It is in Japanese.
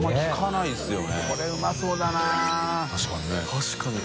確かにね。